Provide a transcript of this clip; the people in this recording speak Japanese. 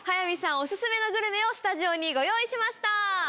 オススメのグルメをスタジオにご用意しました。